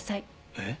えっ？